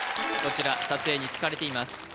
こちら撮影に使われています